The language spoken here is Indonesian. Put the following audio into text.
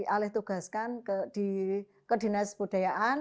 alih tugaskan ke dinas budayaan